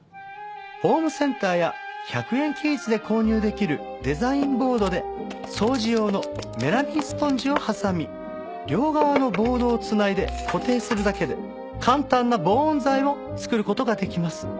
ホームセンターや１００円均一で購入できるデザインボードで掃除用のメラミンスポンジを挟み両側のボードを繋いで固定するだけで簡単な防音材を作る事ができます。